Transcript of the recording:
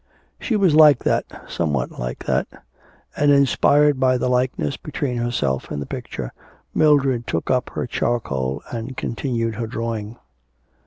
She was like that, somewhat like that; and, inspired by the likeness between herself and the picture, Mildred took up her charcoal and continued her drawing.